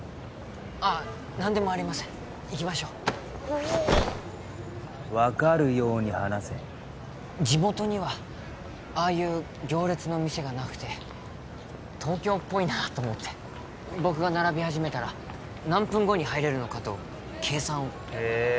ああ何でもありません行きましょうおお分かるように話せ地元にはああいう行列の店がなくて東京っぽいなーと思って僕が並び始めたら何分後に入れるのかと計算をへえ